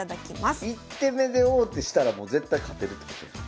１手目で王手したらもう絶対勝てるってことか。